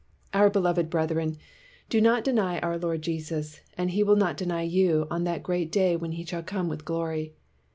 "Our beloved brethren, do not deny our Lord Jesus, and he will not deny you on that great day when he shall come with glory.